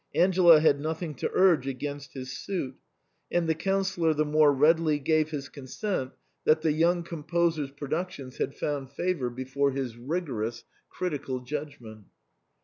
Angela had nothing to urge against his suit ; and the Councillor the more readily gave his consent that the young composer's productions had found favour before his rigorous critical judgment.